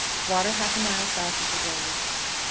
Water half a mile south of the road. 18.